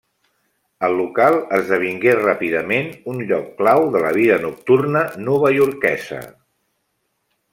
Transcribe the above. El local esdevingué ràpidament un lloc clau de la vida nocturna novaiorquesa.